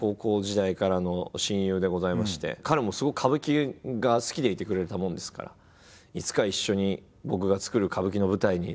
彼もすごく歌舞伎が好きでいてくれたもんですからいつか一緒に僕が作る歌舞伎の舞台に出ようと約束をしてまして。